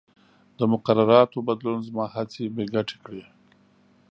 د مقرراتو بدلون زما هڅې بې ګټې کړې.